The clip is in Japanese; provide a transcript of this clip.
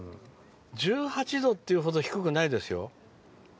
１８度っていうほど低くないですよ。